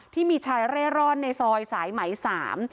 ที่มีชายเร่ร่อนในซอยสายไหมสาม